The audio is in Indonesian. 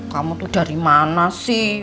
kamu tuh dari mana sih